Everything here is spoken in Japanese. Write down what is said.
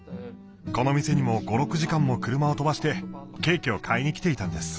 この店にも５６時間も車を飛ばしてケーキを買いに来ていたんです。